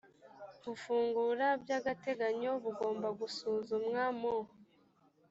gufungura by agateganyo bugomba gusuzumwa mu